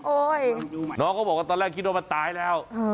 โอ๊ยยยยยน้องค่ะก็บอกว่าตอนแรกคิดว่ามันตายแล้ว